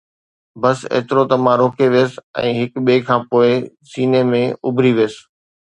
بس ايترو ته مان روڪي ويس ۽ هڪ ٻئي کان پوءِ سيني ۾ اُڀري ويس